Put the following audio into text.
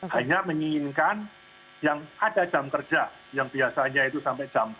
hanya menginginkan yang ada jam kerja yang biasanya itu sampai jam empat